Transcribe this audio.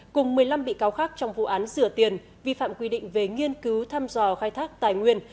cùng một mươi năm bị cáo khác trong vụ án sửa tiền vi phạm quy định về nghiên cứu thăm dò khai thác tài nguyên